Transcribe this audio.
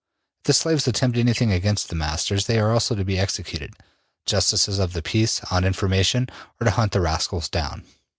If the slaves attempt anything against the masters, they are also to be executed. Justices of the peace, on information, are to hunt the rascals down.